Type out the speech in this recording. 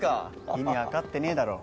意味わかってねえだろ？